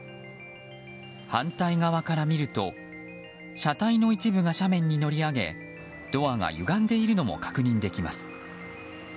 反対側から見ると車体の一部が斜面に乗り上げドアがゆがんでいるのも確認できます。